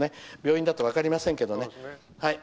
病院だと分かりませんけどね。